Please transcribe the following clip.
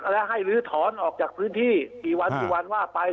และให้ลื้อถอนออกจากพื้นที่กี่วันกี่วันว่าไป